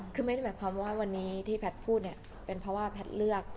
คือไม่ได้หมายความว่าวันนี้ที่แพทย์พูดเนี่ยเป็นเพราะว่าแพทย์เลือก